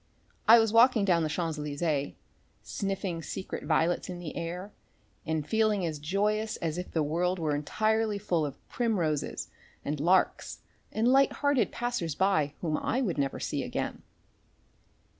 I was walking down the Champs Elysées, sniffing secret violets in the air and feeling as joyous as if the world were entirely full of primroses and larks and light hearted passers by whom I would never see again.